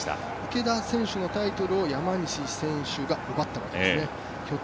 池田選手のタイトルを山西選手が奪ったわけですね。